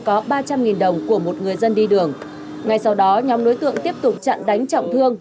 có ba trăm linh đồng của một người dân đi đường ngay sau đó nhóm đối tượng tiếp tục chặn đánh trọng thương